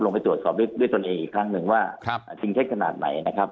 ไปตรวจสอบด้วยตนเองอีกครั้งหนึ่งว่าจริงเท็จขนาดไหนนะครับ